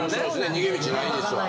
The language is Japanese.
逃げ道ないですわ。